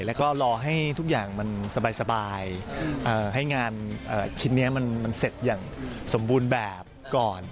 แล้วก็รอให้ทุกอย่างมันสบายให้งานชิ้นนี้มันเสร็จอย่างสมบูรณ์แบบก่อน